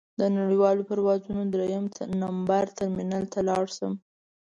د نړیوالو پروازونو درېیم نمبر ټرمینل ته لاړ شم.